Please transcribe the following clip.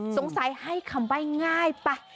สงสัยให้คำใบ้ง่ายไป